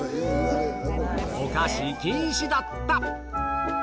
お菓子禁止だった。